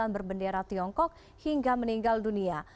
berbendera tiongkok hingga meninggal dunia